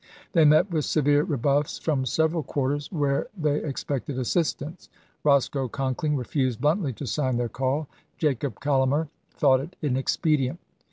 They met with severe rebuffs from several quarters where they expected assistance ; Roscoe Conkling i86*. refused bluntly to sign their call ; Jacob Collamer thought it inexpedient.